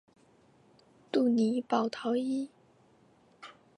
杜瑙保陶伊。